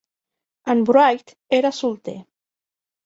En Wright era solter.